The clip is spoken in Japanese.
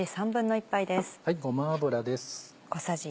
ごま油です。